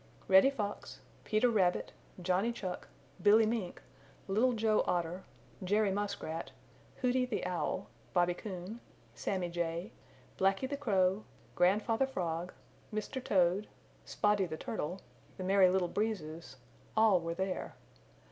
Reddy Fox, Peter Rabbit, Johnny Chuck, Billy Mink, Little Joe Otter, Jerry Muskrat, Hooty the Owl, Bobby Coon, Sammy Jay, Blacky the Crow, Grandfather Frog, Mr. Toad, Spotty the Turtle, the Merry Little Breezes, all were there.